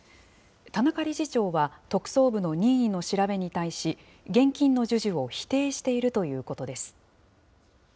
田中理事長は、特捜部の任意の調べに対し、現金の授受を否定しているということです。